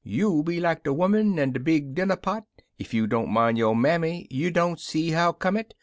You'll be like de 'oman an' de big dinner pot Ef yo' don't min' yo' mammy. You don't see how come it?